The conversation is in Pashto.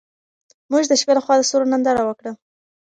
موږ د شپې لخوا د ستورو ننداره وکړه.